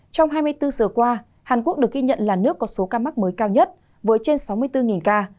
trong hai mươi bốn giờ qua hàn quốc được ghi nhận là nước có số ca mắc mới cao nhất với trên sáu mươi bốn ca